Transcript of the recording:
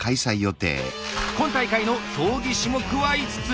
今大会の競技種目は５つ。